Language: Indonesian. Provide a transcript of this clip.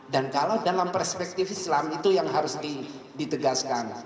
dan kalau dalam perspektif islam itu yang harus ditegaskan